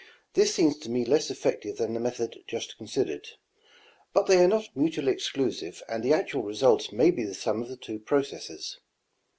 This seems to me less efi:'ec tive than the method just considered ; but they are not mutu ally exclusive and the actual result may be the sum of the two processes.